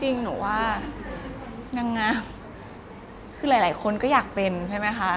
จริงหนูว่านางงามคือหลายคนก็อยากเป็นใช่ไหมคะ